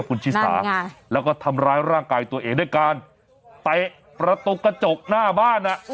คุณชิสาแล้วก็ทำร้ายร่างกายตัวเองด้วยการเตะประตูกระจกหน้าบ้าน